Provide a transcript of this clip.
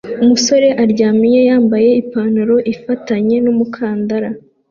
umusore aryamye yambaye ipantaro ifatanye n'umukandara